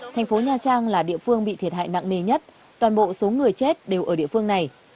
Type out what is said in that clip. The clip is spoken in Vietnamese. thành phố nha trang là địa phương bị thiệt hại nặng nề nhất toàn bộ số người chết đều ở địa phương này